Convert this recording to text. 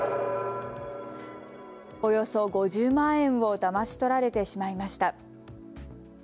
およそ５０万円をだまし取られてしまいました。